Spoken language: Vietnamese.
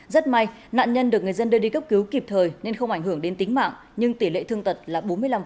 rất may nạn nhân được người dân đưa đi cấp cứu kịp thời nên không ảnh hưởng đến tính mạng nhưng tỷ lệ thương tật là bốn mươi năm